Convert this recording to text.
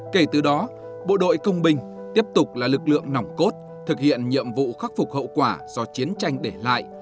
kể từ đó bộ đội công binh tiếp tục là lực lượng nòng cốt thực hiện nhiệm vụ khắc phục hậu quả do chiến tranh để lại